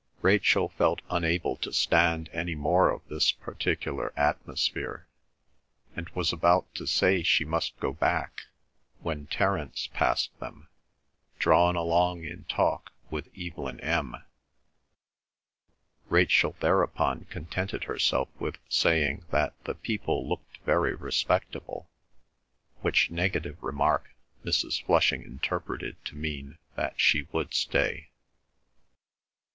Rachel felt unable to stand any more of this particular atmosphere, and was about to say she must go back, when Terence passed them, drawn along in talk with Evelyn M. Rachel thereupon contented herself with saying that the people looked very respectable, which negative remark Mrs. Flushing interpreted to mean that she would stay.